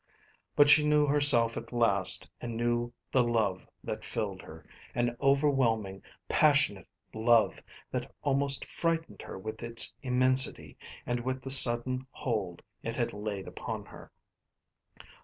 But she knew herself at last and knew the love that filled her, an overwhelming, passionate love that almost frightened her with its immensity and with the sudden hold it had laid upon her.